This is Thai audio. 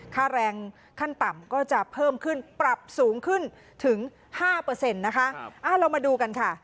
ค่าแรงขั้นต่ำก็จะเพิ่มขึ้นปรับสูงขึ้นถึง๕นะคะเรามาดูกันค่ะ